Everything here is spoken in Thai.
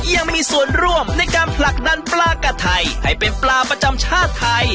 ยังมีส่วนร่วมในการผลักดันปลากัดไทยให้เป็นปลาประจำชาติไทย